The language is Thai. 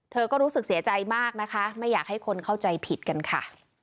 เธอก็รู้สึกเสียใจมากนะคะไม่อยากให้คนเข้าใจผิดกันค่ะ